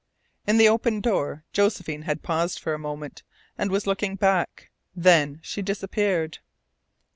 In the open door Josephine had paused for a moment, and was looking back. Then she disappeared.